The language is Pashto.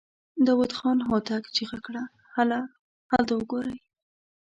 داوود خان هوتک چيغه کړه! هلته وګورئ!